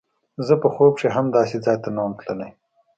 زه په خوب کښې هم داسې ځاى ته نه وم تللى.